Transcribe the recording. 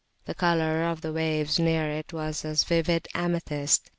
The colour of the waves near it was a vivid amethyst.